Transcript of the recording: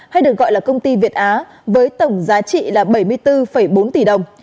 hay được gọi là công ty việt á với tổng giá trị là bảy mươi bốn bốn tỷ đồng